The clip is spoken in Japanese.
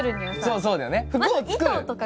そうそうだよね。